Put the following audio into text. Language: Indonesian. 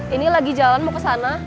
ini lagi jalan mau kesana